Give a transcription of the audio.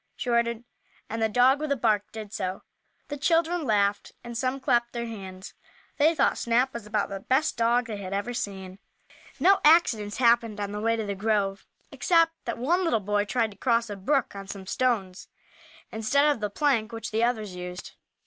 she ordered, and the dog, with a bark, did so. The children laughed and some clapped their hands. They thought Snap was about the best dog they had ever seen. No accidents happened on the way to the grove, except that one little boy tried to cross a brook on some stones, instead of the plank which the others used.